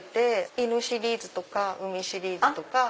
犬シリーズとか海シリーズとか。